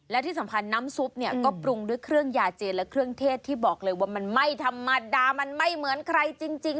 และที่สำคัญน้ำซุปเนี่ยก็ปรุงด้วยเครื่องยาเจนและเครื่องเทศที่บอกเลยว่ามันไม่ธรรมดามันไม่เหมือนใครจริง